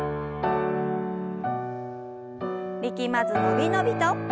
力まず伸び伸びと。